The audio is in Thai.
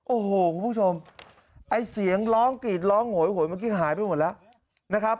โอ้โหคุณผู้ชมไอ้เสียงร้องกรีดร้องโหยหวยเมื่อกี้หายไปหมดแล้วนะครับ